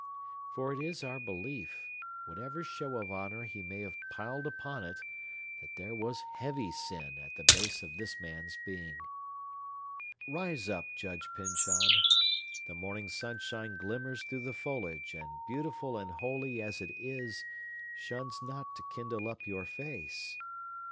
For it is our belief, whatever show of honor he may have piled upon it, that there was heavy sin at the base of this man's being. Rise up, Judge Pyncheon! The morning sunshine glimmers through the foliage, and, beautiful and holy as it is, shuns not to kindle up your face.